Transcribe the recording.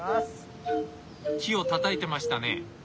木をたたいてましたね？